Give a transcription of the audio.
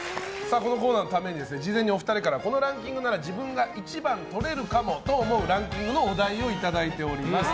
このコーナーのために事前にお二人からこのランキングなら自分が一番とれるかもと思うランキングのお題をいただいております。